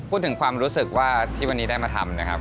พูดถึงความรู้สึกว่าที่วันนี้ได้มาทำนะครับ